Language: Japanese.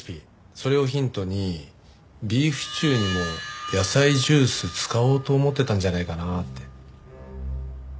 それをヒントにビーフシチューにも野菜ジュース使おうと思ってたんじゃないかなって。